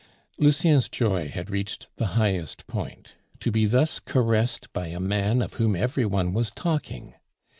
Lucien's joy had reached the highest point; to be thus caressed by a man of whom everyone was talking!